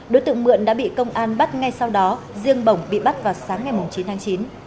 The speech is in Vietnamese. đối tượng mượn đã bị công an bắt ngay sau đó riêng bổng bị bắt vào sáng ngày chín tháng chín